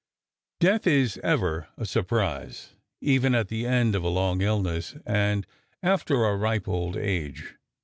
Death is ever a surprise, even at the end of a long illness and after a ripe old age.